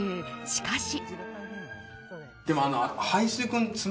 しかし。